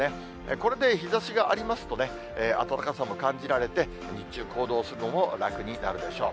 これで日ざしがありますと、暖かさも感じられて、日中、行動するのも楽になるでしょう。